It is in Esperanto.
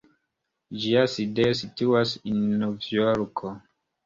Ĝia sidejo situas en Novjorko.